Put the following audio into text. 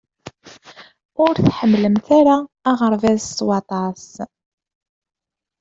Ur tḥemmlemt ara aɣerbaz s waṭas.